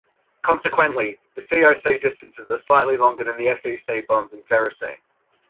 Consequently, the Co-C distances are slightly longer than the Fe-C bonds in ferrocene.